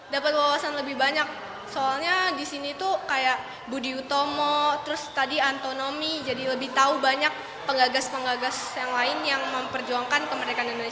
dapat wawasan lebih banyak soalnya di sini tuh kayak budi utomo terus tadi antonomi jadi lebih tahu banyak pengagas pengagas yang lain yang memperjuangkan kemerdekaan indonesia